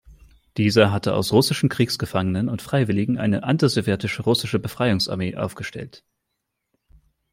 Dieser hatte aus russischen Kriegsgefangenen und Freiwilligen eine antisowjetische „Russische Befreiungsarmee“ aufgestellt.